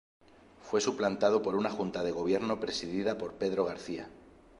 Fue suplantado por una Junta de Gobierno presidida por Pedro García.